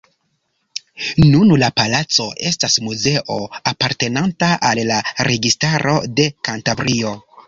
Nun la palaco estas muzeo apartenanta al la Registaro de Kantabrio.